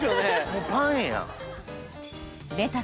もうパンやん。